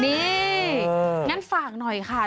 นี่งั้นฝากหน่อยค่ะ